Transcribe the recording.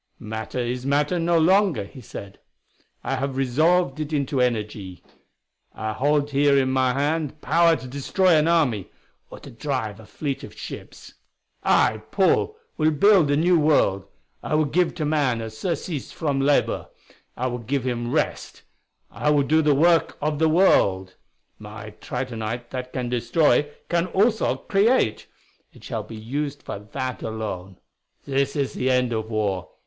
"Matter is matter no longer," he said; "I have resolved it into energy. I hold here in my hand power to destroy an army, or to drive a fleet of ships. I, Paul, will build a new world. I will give to man a surcease from labor; I will give him rest; I will do the work of the world. My tritonite that can destroy can also create; it shall be used for that alone. This is the end of war.